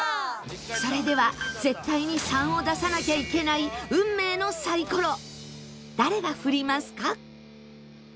それでは絶対に「３」を出さなきゃいけない運命のサイコロ誰が振りますか？